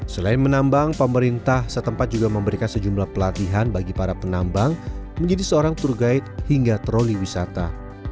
selain menambang pemerintah setempat juga memberikan sejumlah pelatihan bagi para penambang menjadi seorang tour guide hingga troli wisata